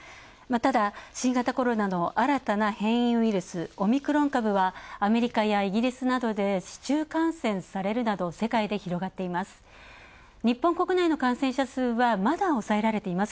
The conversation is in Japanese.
ただ、新型コロナの新たな変異ウイルスオミクロン株は、アメリカやイギリスなどで市中感染されるなど世界で広がっています。